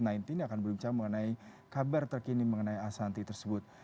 yang akan berbicara mengenai kabar terkini mengenai asanti tersebut